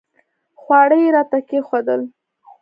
خواړه یې راته کښېښودل.